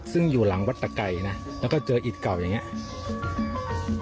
ซึ่งอยู่หลังวัดตะไก่นะแล้วก็เจออิตเก่าอย่างนี้